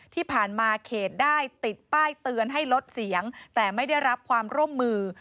ที่ผ่านมาเขตได้ติดป้ายเตือนให้ลดเสียงแต่ไม่ได้รับความร่วมมือ